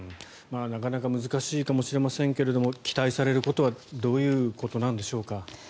なかなか難しいかもしれませんが期待されることはどういうことなんでしょうか。